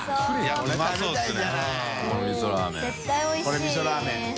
この味噌ラーメン村重）